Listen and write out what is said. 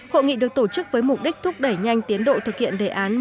hội nghị được tổ chức với mục đích thúc đẩy nhanh tiến độ thực hiện đề án